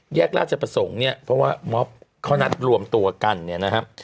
แยกราชประสงค์เพราะว่าเขานัดรวมตัวกันนะครับ